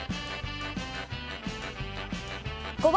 ５番。